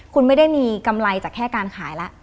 คุณไม่ได้มีกำไรจากแค่การขายแล้ว